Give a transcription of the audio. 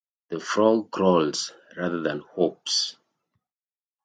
This frog crawls rather than hops.